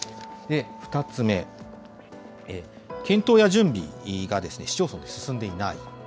２つ目、検討や準備が市町村で進んでいない。